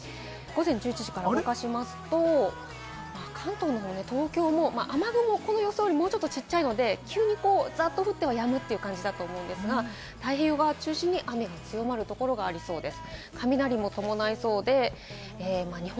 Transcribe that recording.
午前１１時から動かしますと、関東のほう、東京も雨雲がこれよりもちょっと小さいので、ざっと降ってはやむという感じなんですが、太平洋側を中心に雨の強まるところがありそうです。